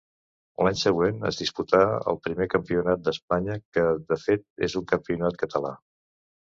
L'any següent es disputa el primer Campionat d'Espanya, que de fet és un campionat català.